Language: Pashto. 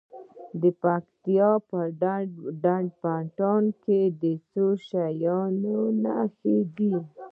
د پکتیا په ډنډ پټان کې د څه شي نښې دي؟